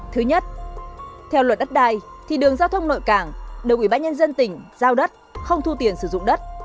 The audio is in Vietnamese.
thứ nhất theo luật đất đai thì đường giao thông nội cảng được ủy ban nhân dân tỉnh giao đất không thu tiền sử dụng đất